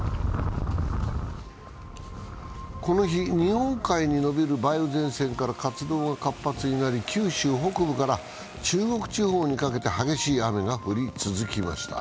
この日、日本海に延びる梅雨前線から活動が活発になり九州北部から中国地方にかけて激しい雨が降り続きました。